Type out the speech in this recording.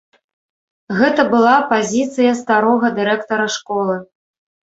Гэта была пазіцыя старога дырэктара школы.